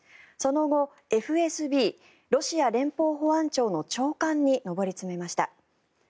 その後ＦＳＢ・ロシア連邦保安庁の長官に上り詰めました。